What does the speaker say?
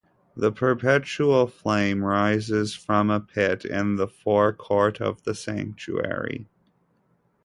The perpetual flame rises from a pit in the forecourt of the sanctuary.